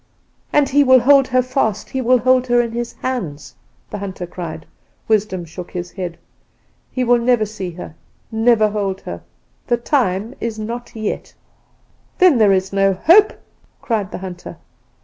"'And he will hold her fast! he will hold her in his hands!' the hunter cried. "Wisdom shook his head. "'He will never see her, never hold her. The time is not yet.' "'Then there is no hope?' cried the hunter.